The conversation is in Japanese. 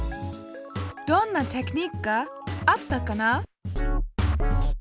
どんなテクニックがあったかな？